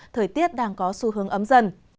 thời tiết đang có xu hướng ấm dần